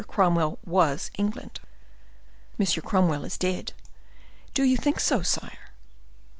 Cromwell was England." "M. Cromwell is dead." "Do you think so, sire?"